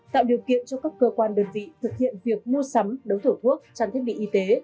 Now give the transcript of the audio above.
tạo điều kiện cho các cơ quan đơn vị thực hiện việc mua sắm đấu thầu thuốc trang thiết bị y tế